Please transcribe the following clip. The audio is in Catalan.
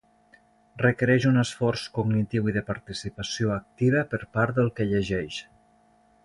Requereix un esforç cognitiu i de participació activa per part del que llegeix.